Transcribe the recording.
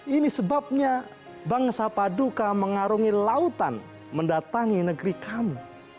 ini sebabnya bangsa paduka mengarungi lautan mendatangi negeri kamu